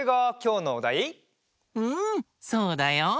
うんそうだよ。